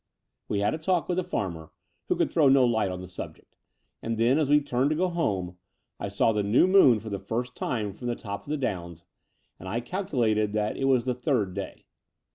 We had a talk with the farmer, who could throw no light on the subject; and then, as we turned to go home, I saw the new moon for the first time from the top of the downs, and I calculated that it was the third day.